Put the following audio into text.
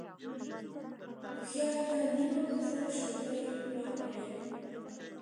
هوښيار ته نيمه بس ده ، شوده يې پوره غواړي.